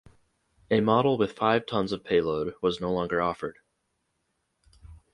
A model with five tons of payload was no longer offered.